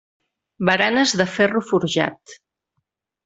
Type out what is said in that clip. Baranes de ferro forjat.